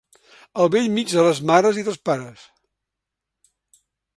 Al bell mig de les mares i dels pares.